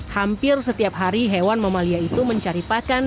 hampir setiap hari hewan mamalia itu mencari pakan